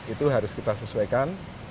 itu harus kita sesuaikan